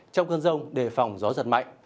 trong cơn rông đề phòng gió giật mạnh